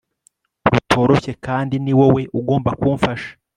rutoroshye kandi niwowe ugomba kumfasha